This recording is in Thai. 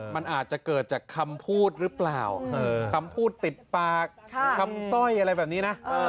มันอาจจะเกิดจากคำพูดหรือเปล่าคำพูดติดปากคำสร้อยอะไรแบบนี้นะ